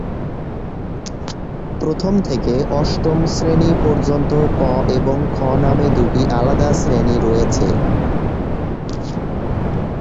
প্রথম থেকে অষ্টম শ্রেণী পর্যন্ত ক এবং খ নামে দুটি আলাদা শ্রেণী রয়েছে।